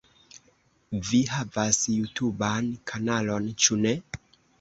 Vi havas jutuban kanalon ĉu ne?